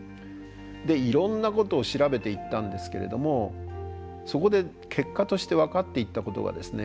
いろんなことを調べていったんですけれどもそこで結果として分かっていったことがですね